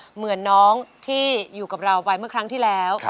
เหมือนน้องที่อยู่กับเราไปเมื่อครั้งที่แล้ว